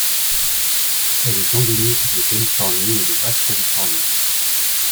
Elle est endémique de Californie et de Basse-Californie.